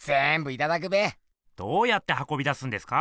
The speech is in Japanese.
どうやってはこび出すんですか？